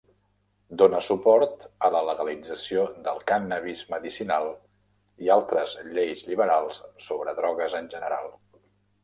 Dóna suport a la legalització del cànnabis medicinal i altres lleis lliberals sobre drogues en general.